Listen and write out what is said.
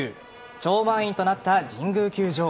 超満員となった神宮球場。